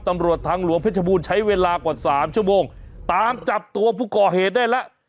ตำรวจทางหลวงเพชรบูรณ์ใช้เวลากว่าสามชั่วโมงตามจับตัวผู้ก่อเหตุได้แล้ว